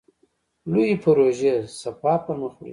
لویې پروژې سپاه پرمخ وړي.